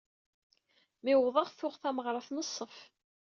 Mi wwḍeɣ tuɣ tameɣra tneṣṣef.